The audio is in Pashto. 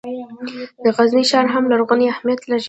د غزني ښار هم لرغونی اهمیت لري.